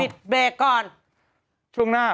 เต้นไงนะ